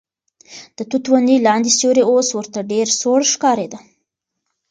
د توت ونې لاندې سیوری اوس ورته ډېر سوړ ښکارېده.